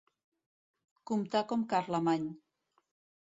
Comptar com Carlemany.